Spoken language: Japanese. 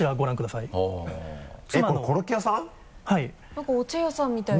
何かお茶屋さんみたいな。